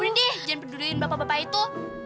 boleh deh jangan peduliin bapak bapak itu